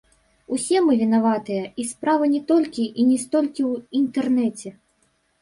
Усе мы вінаватыя, і справа не толькі і не столькі ў інтэрнэце.